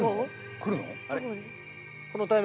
来るの？